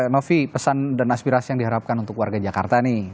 novi pesan dan aspirasi yang diharapkan untuk warga jakarta nih